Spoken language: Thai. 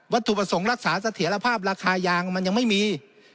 ถูกประสงค์รักษาเสถียรภาพราคายางมันยังไม่มี